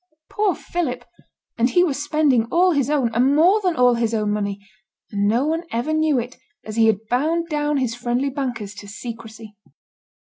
Poor Philip! and he was spending all his own, and more than all his own money, and no one ever knew it, as he had bound down his friendly bankers to secrecy.